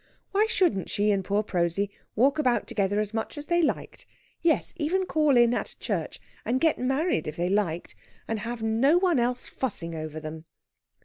Why shouldn't she and poor Prosy walk about together as much as they liked yes, even call in at a church and get married if they liked and have no one else fussing over them?